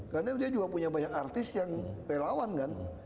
karena dia juga punya banyak artis yang relawan kan